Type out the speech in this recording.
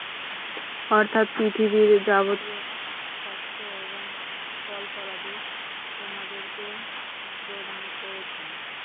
অর্থাৎ পৃথিবীর যাবতীয় শস্য এবং ফল-ফলাদি তোমাদেরকে প্রদান করেছেন।